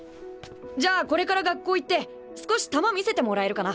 じゃあこれから学校行って少し球見せてもらえるかな？